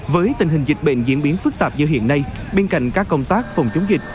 với tình hình dịch bệnh diễn biến phức tạp như hiện nay bên cạnh các công tác phòng chống dịch